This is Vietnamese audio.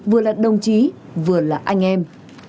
vừa là đồng chí vừa là anh em